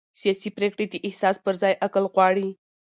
سیاسي پرېکړې د احساس پر ځای عقل غواړي